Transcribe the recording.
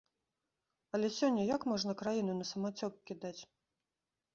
Але сёння як можна краіну на самацёк кідаць?